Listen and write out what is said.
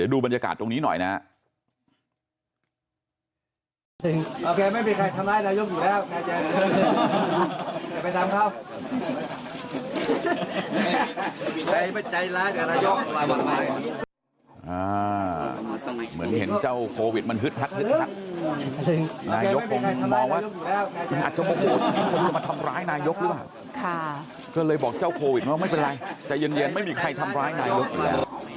เดี๋ยวดูบรรยากาศตรงนี้หน่อยนะฮะ